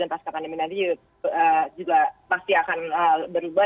dan pasca pandemi nanti juga pasti akan berubah